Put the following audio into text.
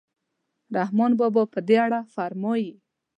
رحمان بابا په دې اړه فرمایي.